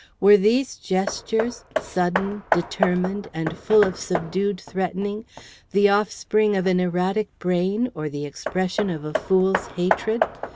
Were these gestures, sudden, determined, and full of subdued threatening, the offspring of an erratic brain or the expression of a fool's hatred?